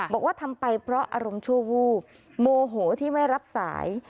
บอกว่าทำไปเพราะอารมณ์ชั่ววูบโมโหที่ไม่รับสาย